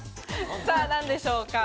さぁ何でしょうか？